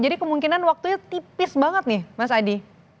jadi kemungkinan waktunya tipis banget nih mas adi